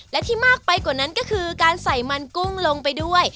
และที่มากไปกว่านั้นก็คือการใส่มันกุ้งลงไปด้วย